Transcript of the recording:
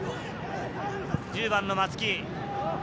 １０番の松木。